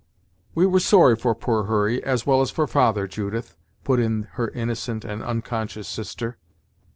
"We were sorry for poor Hurry, as well as for father, Judith!" put in her innocent and unconscious sister.